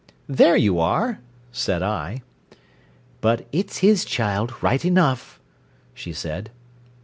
"There you are!" said I. "But it's his child right enough," she said.